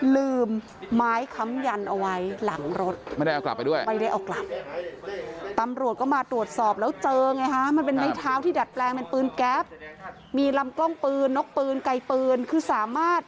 ลืมไม้คำยันเอาไว้หลังรถ